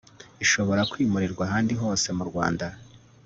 ishobora kwimurirwa ahandi hose mu rwanda